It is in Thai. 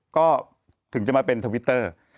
ก็ถึงจะมาเป็นทวิตเตอร์